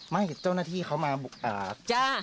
เจ้าหน้าที่เขามาบุก